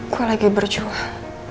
gue lagi berjuang